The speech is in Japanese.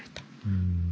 うん。